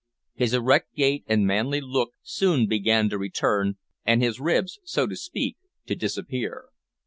His erect gait and manly look soon began to return, and his ribs, so to speak, to disappear.